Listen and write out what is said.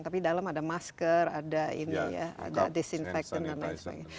tapi dalam ada masker ada ini ya ada disinfektan dan lain sebagainya